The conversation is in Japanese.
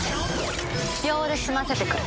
「トンボ！！」秒で済ませてくる。